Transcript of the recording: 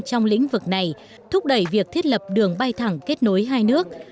trong lĩnh vực này thúc đẩy việc thiết lập đường bay thẳng kết nối hai nước